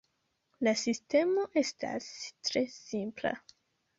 La sistemo estas tre simpla.